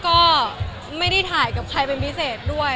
ก็ไม่ได้ถ่ายกับใครเป็นพิเศษด้วย